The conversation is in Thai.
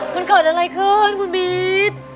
มันเกิดอะไรขึ้นคุณบี๊ด